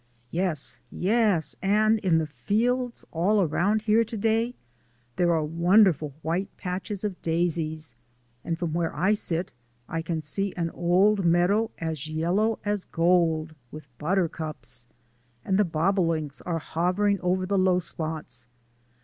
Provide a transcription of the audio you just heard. Yes, yes, and in the fields all around here, to day there are wonderful white patches of daisies, and from where I sit I can see an old meadow as yellow as gold with buttercups. And the bobolinks are hovering over the low spots.